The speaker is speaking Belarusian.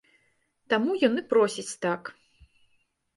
Таму ён і просіць так.